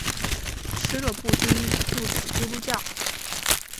吃了布丁肚子咕噜叫